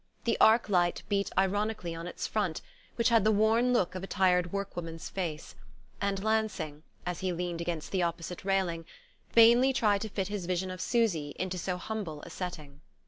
The arc light beat ironically on its front, which had the worn look of a tired work woman's face; and Lansing, as he leaned against the opposite railing, vainly tried to fit his vision of Susy into so humble a setting.